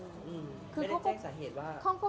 ไม่ได้แจ้งสาเหตุว่ามีปัญหา